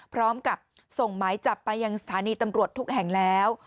พร้อมกับส่งหมายจับไปยังสถานีตำรวจทุกแห่งแล้ว